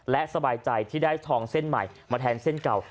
และสบายใจที่ได้ทองเส้นใหม่มาแทนเส้นเก่า